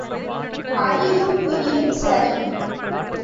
அடியும் பிடியும் சரி.